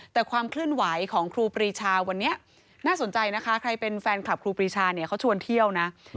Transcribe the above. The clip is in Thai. แต่ความเคลื่อนไหวของครูปรีชาวันนี้น่าสนใจนะคะใครเป็นแฟนคลับครูปรีชาเนี่ยเขาชวนเที่ยวนะ